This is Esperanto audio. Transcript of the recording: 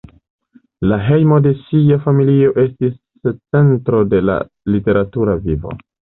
La hejmo de ŝia familio estis centro de la literatura vivo.